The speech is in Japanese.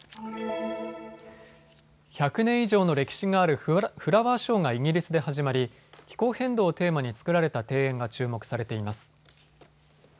１００年以上の歴史があるフラワーショーがイギリスで始まり気候変動をテーマに作られた庭園が注目されています。